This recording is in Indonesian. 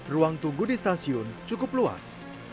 ruang tunggu di stasiun cukup luas